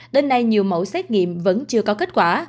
đến nay nhiều mẫu xét nghiệm vẫn chưa có kết quả